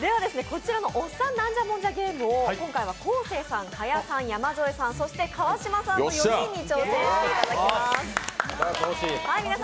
こちらの「おっさんナンジャモンジャゲーム」を今回は昴生さん、賀屋さん、山添さん、そして川島さんの４人に挑戦していただきます。